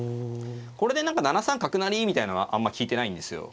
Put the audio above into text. これで何か７三角成みたいなのはあんま利いてないんですよ。